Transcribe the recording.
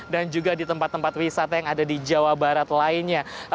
dan juga di tempat tempat wisata yang ada di jawa barat lainnya